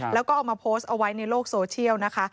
แล้วก็เอามาโพสต์เอาไว้ในโลกโซเชียลนะคะ